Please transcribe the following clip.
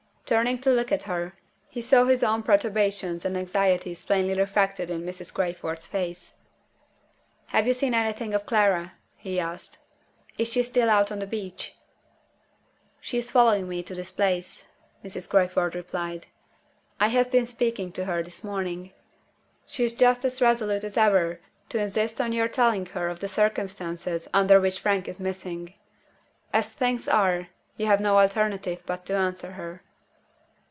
Turning to look at her, he saw his own perturbations and anxieties plainly reflected in Mrs. Crayford's face. "Have you seen anything of Clara?" he asked. "Is she still on the beach?" "She is following me to this place," Mrs. Crayford replied. "I have been speaking to her this morning. She is just as resolute as ever to insist on your telling her of the circumstances under which Frank is missing. As things are, you have no alternative but to answer her."